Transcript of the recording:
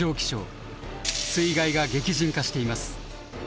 水害が激甚化しています。